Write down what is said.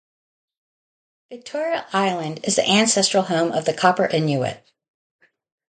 Victoria Island is the ancestral home of the Copper Inuit.